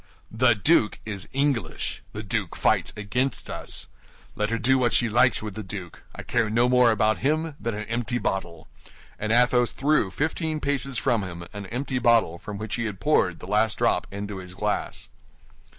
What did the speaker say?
"The duke is English; the duke fights against us. Let her do what she likes with the duke; I care no more about him than an empty bottle." And Athos threw fifteen paces from him an empty bottle from which he had poured the last drop into his glass.